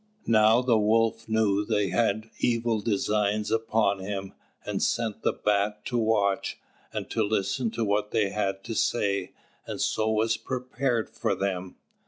Now the Wolf knew that they had evil designs upon him, and sent the Bat to watch, and to listen to what they had to say, and so was prepared for them.